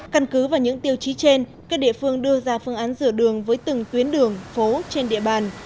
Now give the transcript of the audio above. căn cứ vào những tiêu chí trên các địa phương đưa ra phương án rửa đường với từng tuyến đường phố trên địa bàn